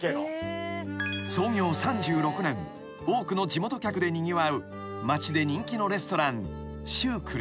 ［多くの地元客でにぎわう町で人気のレストラン］